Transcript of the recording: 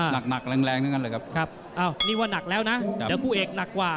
หนักแรงทั้งนั้นเลยครับอ้าวนี่ว่านักแล้วนะเดี๋ยวคู่เอกหนักกว่า